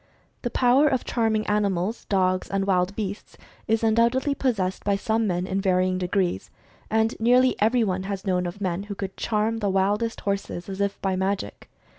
The power of charming animals, dogs and wild beasts is undoubtedly possessed by some men, in vary ing degrees. And nearly everyone has known of men who could "charm" the wildest horses, as if by magic.